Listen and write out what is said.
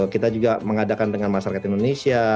kita juga mengadakan dengan masyarakat indonesia